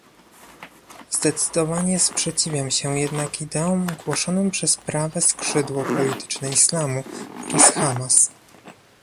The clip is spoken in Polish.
Zdecydowanie sprzeciwiam się jednak ideom głoszonym przez prawe skrzydło polityczne islamu oraz Hamas